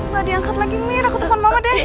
gak diangkat lagi mir aku telfon mama deh